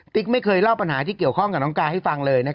ไม่เคยเล่าปัญหาที่เกี่ยวข้องกับน้องกาให้ฟังเลย